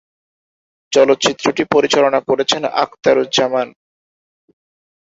চলচ্চিত্রটি পরিচালনা করেছেন আখতারুজ্জামান।